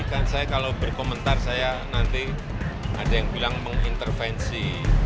kalau saya berkomentar nanti ada yang bilang mengintervensi